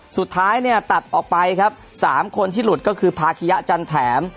สุดท้ายเนี่ยตัดออกไปครับสามคนที่หลุดก็คือพาคิยะจันแถม